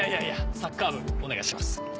サッカー部お願いします。